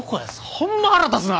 ホンマ腹立つな！